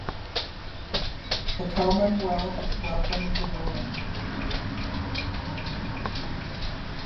The Commonwealth welcomed the ruling.